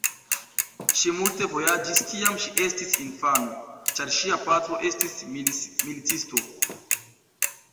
Ŝi multe vojaĝis kiam ŝi estis infano, ĉar ŝia patro estis militisto.